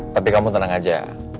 tapi kamu tenang aja